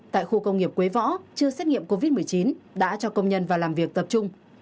tại khu công nghiệp quế võ chưa xét nghiệm covid một mươi chín đã cho công nhân vào làm việc tập trung